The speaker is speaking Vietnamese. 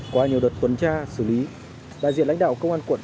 qua nhiều đợt tuần tra xử lý đại diện lãnh đạo công an quận